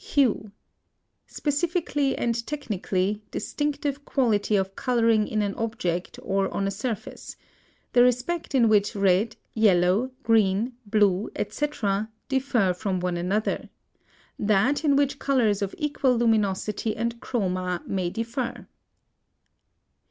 +HUE. Specifically and technically, distinctive quality of coloring in an object or on a surface; the respect in which red, yellow, green, blue, etc., differ one from another; that in which colors of equal luminosity and CHROMA may differ.